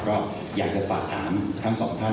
ก็อยากจะฝากถามทั้งสองท่าน